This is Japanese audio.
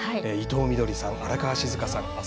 伊藤みどりさん、荒川静香さん